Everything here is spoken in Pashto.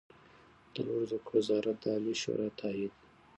د لوړو زده کړو وزارت د عالي شورا تائید